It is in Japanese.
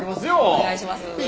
お願いします。